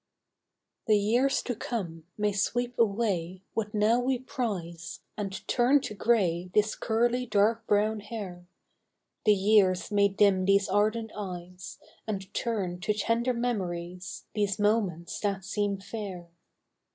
THE years to come may sweep away What now we prize, and turn to grey This curly dark brown hair, The years may dim these ardent eyes And turn to tender memories These moments that seem fair.